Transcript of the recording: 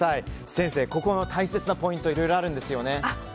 先生、ここは大切なポイントがいろいろとあるんですよね。